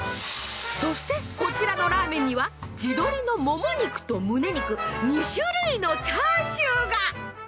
そしてこちらのラーメンには地鶏のもも肉とむね肉２種類のチャーシューが。